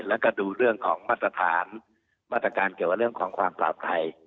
แล้วก็ดูเรื่องของมาตรฐานมาตรการเกี่ยวกับเรื่องของความปลอดภัย